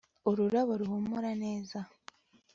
ururabo ruhumura neza